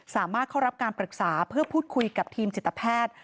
สามารถเข้ารับการปรึกษาเพื่อพูดคุยกับทีมจิตแพทย์